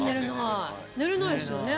寝れないですよね？